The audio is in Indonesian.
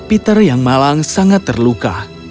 peter yang malang sangat terluka